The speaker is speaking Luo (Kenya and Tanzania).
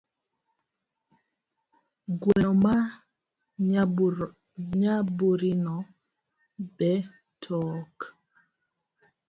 Gweno ma nyaburino betook?